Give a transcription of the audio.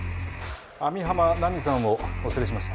網浜奈美さんをお連れしました。